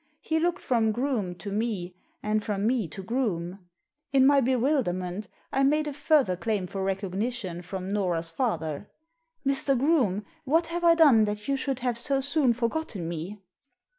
He looked from Groome to me — and from me to Groome. In my bewilderment I made a further claim for recognition from Nora's father. " Mr. Groome, what have I done that you should have so soon forgotten me